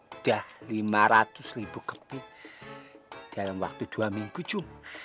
udah lima ratus ribu keping dalam waktu dua minggu jum